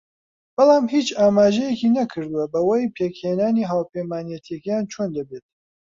بەڵام هیچ ئاماژەیەکی نەکردووە بەوەی پێکهێنانی هاوپەیمانێتییەکان چۆن دەبێت